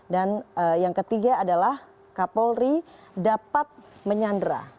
dan yang ketiga adalah kapolri dapat menyandra